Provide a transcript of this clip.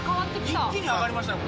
一気に上がりましたね。